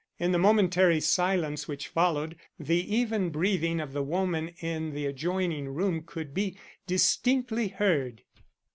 In the momentary silence which followed, the even breathing of the woman in the adjoining room could be distinctly heard.